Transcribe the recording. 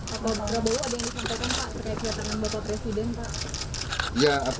pak prabowo ada yang disampaikan pak pernyataan bapak presiden pak